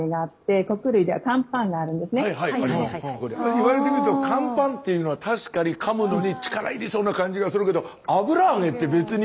言われてみると乾パンっていうのは確かにかむのに力いりそうな感じがするけど油揚げって別に。